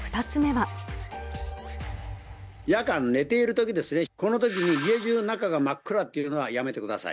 夜間、寝ているときですね、このときに家じゅうの中が真っ暗っていうのはやめてください。